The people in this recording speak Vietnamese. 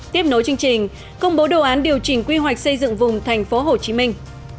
tiếp nối chương trình công bố đồ án điều chỉnh quy hoạch xây dựng vùng thành phố hồ chí minh